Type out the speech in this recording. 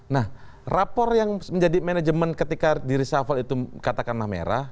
nah rapor yang menjadi manajemen ketika disafal itu katakan mah merah